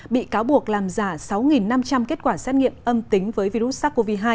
bị cáo buộc làm giả sáu năm trăm linh kết quả xét nghiệm âm tính với virus sars cov hai